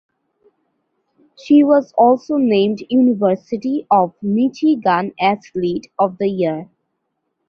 She was also named University of Michigan Athlete of the Year.